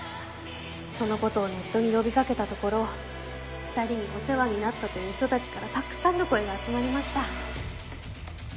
そのことをネットに呼びかけたところ２人にお世話になったという人たちからたくさんの声が集まりました。